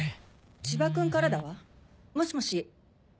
千葉君からだわもしもし？